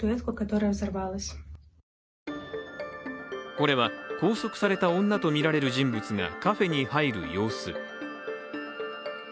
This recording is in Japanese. これは拘束された女とみられる人物がカフェに入る様子。